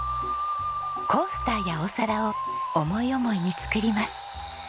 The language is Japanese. コースターやお皿を思い思いに作ります。